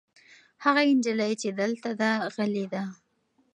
هغه نجلۍ چې دلته ده غلې ده.